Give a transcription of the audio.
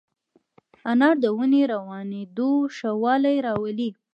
انار د وینې روانېدو ښه والی راولي.